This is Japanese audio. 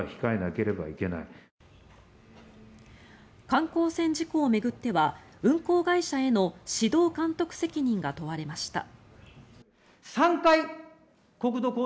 観光船事故を巡っては運航会社への指導監督責任が問われました。